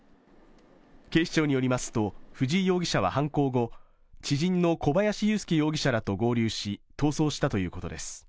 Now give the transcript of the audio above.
警視庁によりますと藤井容疑者は犯行後知人の小林優介容疑者らと合流し、逃走したということです。